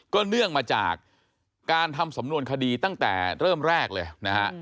เนื่องมาจากการทำสำนวนคดีตั้งแต่เริ่มแรกเลยนะฮะ